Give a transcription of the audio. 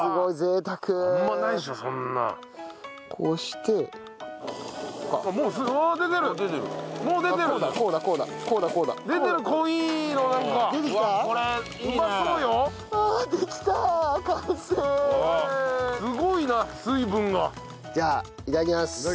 いただきます。